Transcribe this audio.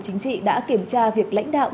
chính trị đã kiểm tra việc lãnh đạo